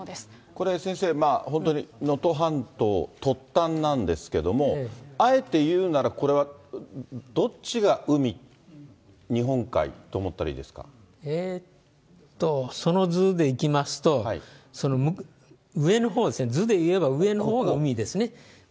これ、先生、本当に能登半島突端なんですけども、あえて言うなら、これはどっちが海、その図でいきますと、上のほうですね、図で言えば、上のほうが海ですね。